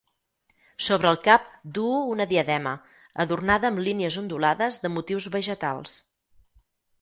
Sobre el cap duu una diadema, adornada amb línies ondulades de motius vegetals.